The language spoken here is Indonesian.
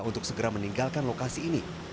untuk segera meninggalkan lokasi ini